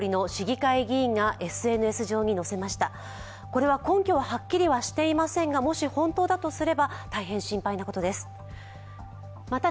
これは根拠がはっきりとはしていませんが、もし本当だとすれば、大変心配なことです。